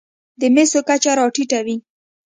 د مسو کچه راټېته وي.